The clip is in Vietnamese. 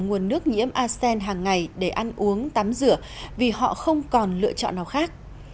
nguồn nước nhiễm asean hàng ngày để ăn uống tắm rửa vì họ không còn lựa chọn nào khác